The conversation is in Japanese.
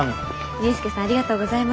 迅助さんありがとうございます。